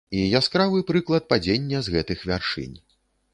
І яскравы прыклад падзення з гэтых вяршынь.